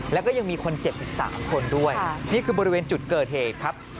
แล้วก็ยังมีคนเจ็บอีก๓คนด้วยนี่คือบริเวณจุดเกิดเหตุครับ